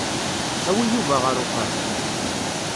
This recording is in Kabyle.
Awi Yuba ɣer uxxam.